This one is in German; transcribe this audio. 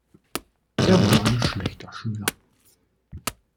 Er war ein schlechter Schüler.